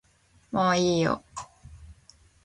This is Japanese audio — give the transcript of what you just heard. もういいよ